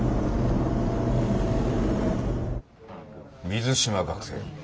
水島学生。